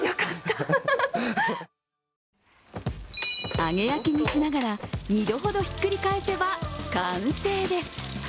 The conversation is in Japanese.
揚げ焼きにしながら２度ほどひっくり返せば完成です。